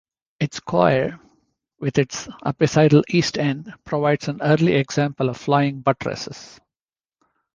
Its choir, with its apsidal east end, provides an early example of flying buttresses.